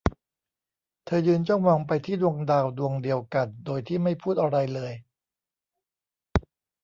เธอยืนจ้องมองไปที่ดวงดาวดวงเดียวกันโดยที่ไม่พูดอะไรเลย